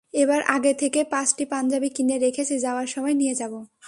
এবার আগে থেকেই পাঁচটি পাঞ্জাবি কিনে রেখেছি, যাওয়ার সময় নিয়ে যাব।